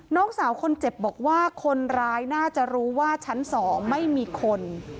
น้องสาวคนเจ็บบอกว่าคนร้ายน่าจะรู้ว่าชั้น๒ไม่มีคน